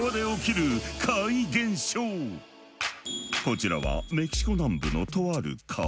こちらはメキシコ南部のとある川。